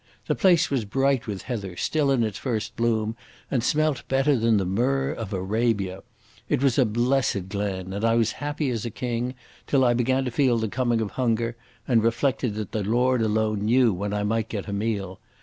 The place was bright with heather, still in its first bloom, and smelt better than the myrrh of Arabia. It was a blessed glen, and I was as happy as a king, till I began to feel the coming of hunger, and reflected that the Lord alone knew when I might get a meal.